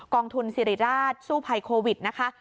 องทุนสิริราชสู้ภัยโควิดนะคะ